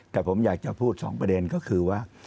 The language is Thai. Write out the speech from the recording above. แต่ผมอยากจะพูด๒ประเด็นก็คือว่า